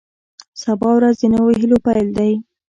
سبا ورځ د نویو هیلو پیل دی.